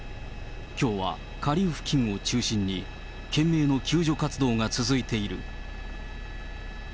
きょうは下流付近を中心に、懸命の救助活動が続いている。